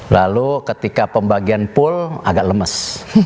lalu ketika pembagian pool agak lemes